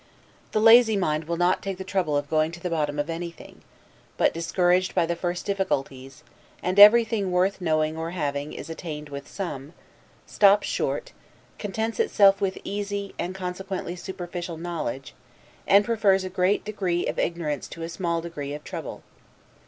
The lazy mind will not take the trouble of going to the bottom of anything; but, discouraged by the first difficulties (and everything worth knowing or having is attained with some), stops short, contents, itself with easy, and consequently superficial knowledge, and prefers a great degree of ignorance to a small degree of trouble.